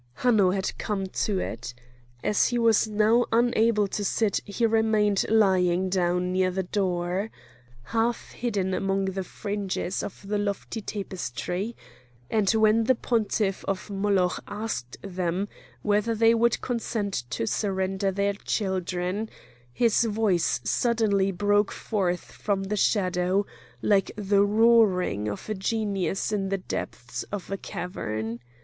Hanno had come to it. As he was now unable to sit he remained lying down near the door, half hidden among the fringes of the lofty tapestry; and when the pontiff of Moloch asked them whether they would consent to surrender their children, his voice suddenly broke forth from the shadow like the roaring of a genius in the depths of a cavern.